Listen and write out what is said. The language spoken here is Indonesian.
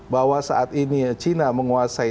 bahwa saat ini cina menguasai